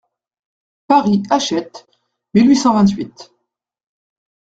Paris, Hachette, mille huit cent vingt-huit.